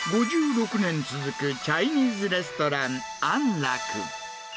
５６年続くチャイニーズレストラン、安楽。